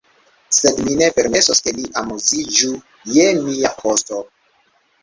Sed mi ne permesos, ke li amuziĝu je mia kosto!